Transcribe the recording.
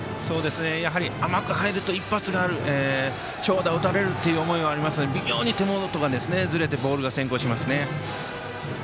やはり、甘く入ると一発がある長打を打たれるという思いがありますと微妙に手元とかがずれてボールが先行しますね。